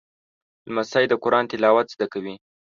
لمسی د قرآن تلاوت زده کوي.